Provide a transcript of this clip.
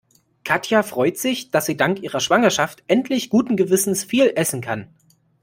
Katja freut sich, dass sie dank ihrer Schwangerschaft endlich guten Gewissens viel essen kann.